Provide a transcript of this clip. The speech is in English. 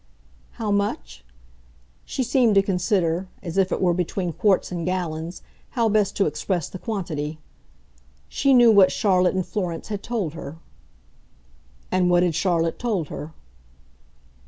"How much?" She seemed to consider as if it were between quarts and gallons how best to express the quantity. "She knew what Charlotte, in Florence, had told her." "And what had Charlotte told her?"